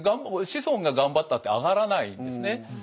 子孫が頑張ったって上がらないんですね。